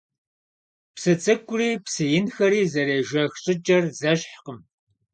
Psı ts'ık'uri psı yinxeri zerêjjex ş'ıç'er zeşhkhım.